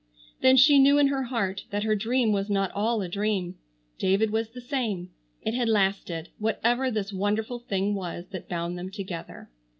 Then she knew in her heart that her dream was not all a dream. David was the same. It had lasted, whatever this wonderful thing was that bound them together.